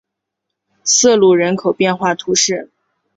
瑟卢人口变化图示